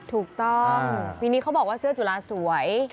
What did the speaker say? ถูกต้องปีนี้เขาบอกว่าเสื้อจุลาสวย